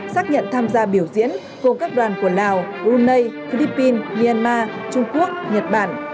xác nhận tham gia biểu diễn gồm các đoàn của lào brunei philippines myanmar trung quốc nhật bản